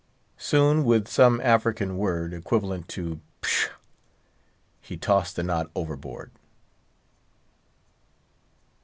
Soon, with some African word, equivalent to pshaw, he tossed the knot overboard.